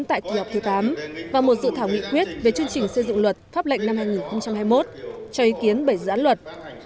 tại kỳ họp thứ tám và một dự thảo nghị quyết về chương trình xây dựng luật pháp lệnh năm hai nghìn hai mươi một cho ý kiến bảy dự án luật